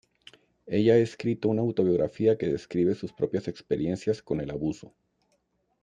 Ella ha escrito una autobiografía que describe sus propias experiencias con el abuso.